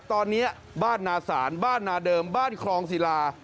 ตอนนี้บ้านนาศาลบ้านนาเดิมบ้านครองศิลา